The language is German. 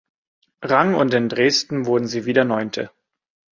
Rang und in Dresden wurden sie wieder Neunte.